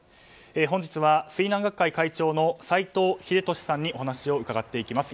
本日は、水難学会会長の斎藤秀俊さんにお話を伺っていきます。